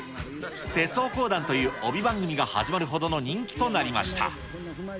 世相講談という帯番組が始まるほどの人気となりました。